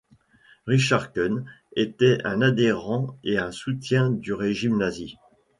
Richard Kuhn était un adhérent et un soutien du régime nazi.